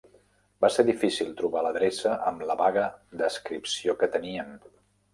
Va ser difícil trobar l'adreça amb la vaga descripció que teníem.